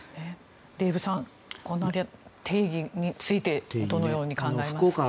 デーブさん、定義についてどのように考えますか。